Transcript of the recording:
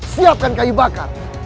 siapkan kayu bakar